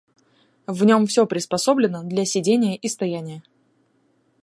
В нем всё приспособлено для сидения и стояния.